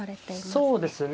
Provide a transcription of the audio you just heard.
そうですね。